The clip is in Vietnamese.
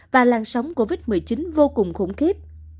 và làn sóng covid một mươi chín vô cùng khủng khiếp